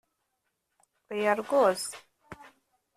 oya rwose